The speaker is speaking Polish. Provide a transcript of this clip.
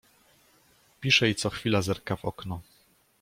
Pisze i co chwila zerka w okno.